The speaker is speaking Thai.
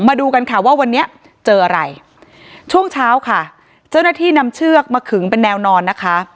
มาดูกันค่ะว่าวันนี้เจออะไรช่วงเช้าค่ะเจ้าหน้าที่นำเชือกมาขึงเป็นแนวนอนนะคะ